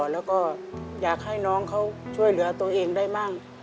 แล้วก็อยากให้น้องเขาช่วยเหลือตัวเองได้มั่ง